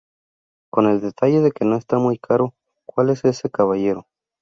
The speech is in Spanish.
Con el detalle de que no está muy claro cuál es ese caballero.